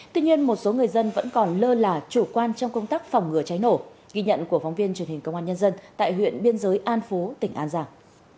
tuy nhiên một số người dân vẫn còn lơ là chủ quan trong công tác phòng ngừa cháy nổ ghi nhận của phóng viên truyền hình công an nhân dân tại huyện biên giới an phú tỉnh an giang